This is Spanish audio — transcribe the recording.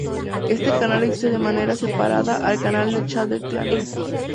Este canal existe de manera separada al canal de chat del clan.